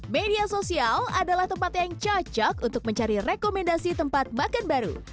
media sosial adalah tempat yang cocok untuk mencari rekomendasi tempat makan baru